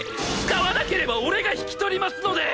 使わなければ俺が引き取りますので！